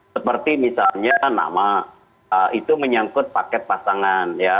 seperti misalnya nama itu menyangkut paket pasangan ya